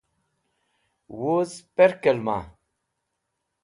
Wuz perkẽlema?